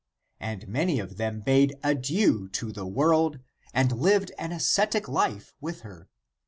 And many of them bade adieu to the world, and lived an ascetic life with her.